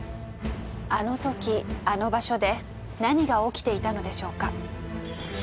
あの時あの場所で何が起きていたのでしょうか？